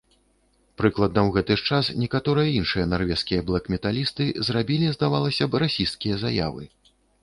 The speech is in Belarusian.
Прыкладна ў гэты ж час некаторыя іншыя нарвежскія блэк-металісты зрабілі, здавалася б, расісцкія заявы.